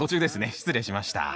失礼しました